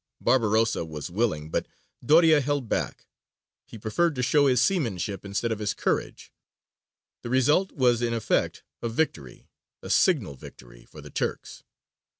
Barbarossa was willing, but Doria held back: he preferred to show his seamanship instead of his courage. The result was in effect a victory, a signal victory, for the Turks.